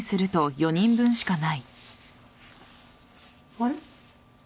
あれ？